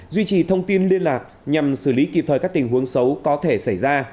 duy trì thông tin liên lạc nhằm xử lý kịp thời các tình huống xấu có thể xảy ra